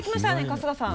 春日さん。